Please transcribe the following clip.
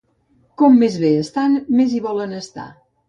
Com més bé estan, més hi volen estar.